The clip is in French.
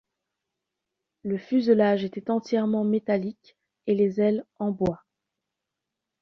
Le fuselage était entièrement métallique, et les ailes en bois.